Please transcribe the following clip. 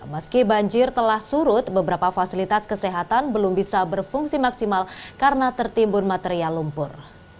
meski banjir telah surut beberapa fasilitas kesehatan belum bisa berfungsi maksimal karena tertimbun material lumpur